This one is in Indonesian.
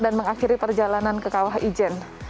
dan mengakhiri perjalanan ke kawah ijen